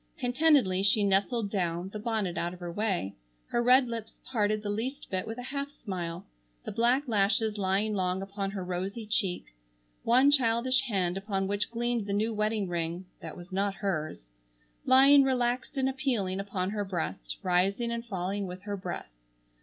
Contentedly she nestled down, the bonnet out of her way, her red lips parted the least bit with a half smile, the black lashes lying long upon her rosy cheek, one childish hand upon which gleamed the new wedding ring—that was not hers,—lying relaxed and appealing upon her breast, rising and falling with her breath.